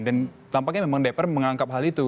dan tampaknya memang dpr menganggap hal itu